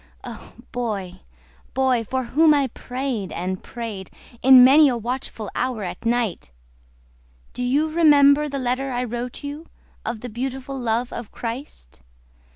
Oh, boy, boy, for whom I prayed and prayed In many a watchful hour at night, Do you remember the letter I wrote you Of the beautiful love of Christ?